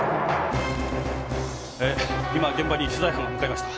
今現場に取材班が向かいました。